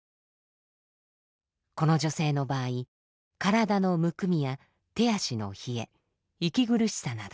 この女性の場合体のむくみや手足の冷え息苦しさなど。